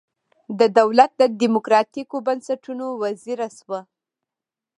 د دولت د دموکراتیکو بنسټونو وزیره شوه.